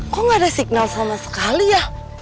kok gak ada signal sama sekali ya